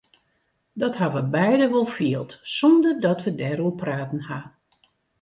Dat ha we beide wol field sonder dat we dêroer praten ha.